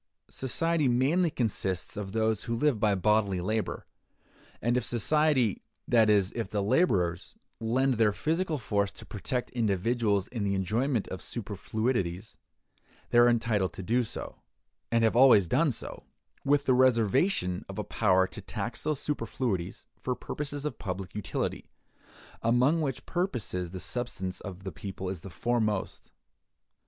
Society mainly consists of those who live by bodily labor; and if society, that is, if the laborers, lend their physical force to protect individuals in the enjoyment of superfluities, they are entitled to do so, and have always done so, with the reservation of a power to tax those superfluities for purposes of public utility; among which purposes the subsistence of the people is the foremost.